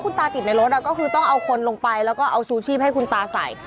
คุณตาติดในรถก็คือต้องเอาคนลงไปแล้วก็เอาชูชีพให้คุณตาใส่